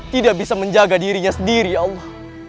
tidak bisa menjaga dirinya sendiri allah